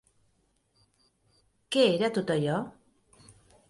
Què era tot allò?